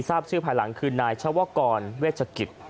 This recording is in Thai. ทราบชื่อภายหลังคือนายชวกรเวชกิจ